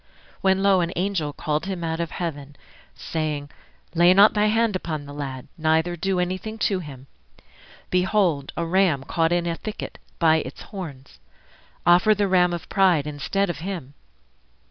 When lo! an angel called him out of heaven, Saying, Lay not thy hand upon the lad, Neither do anything to him. Behold, A ram caught in a thicket by its horns; Offer the Ram of Pride instead of him.